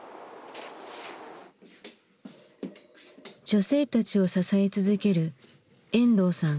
女性たちを支え続ける遠藤さん。